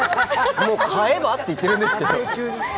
もう買えばって言ってるんですけど。